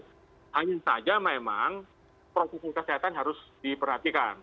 hanya saja memang protokol kesehatan harus diperhatikan